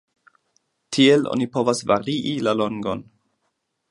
Tiel oni povas varii la longon.